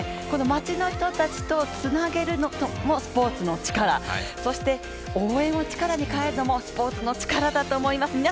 この町の人たちとつなげるのもスポ−ツのチカラ、そして応援を力に変えるのもスポーツのチカラだと思います。